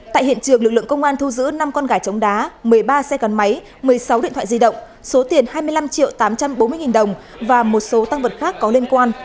tại hiện trường lực lượng công an thu giữ năm con gà chống đá một mươi ba xe gắn máy một mươi sáu điện thoại di động số tiền hai mươi năm triệu tám trăm bốn mươi nghìn đồng và một số tăng vật khác có liên quan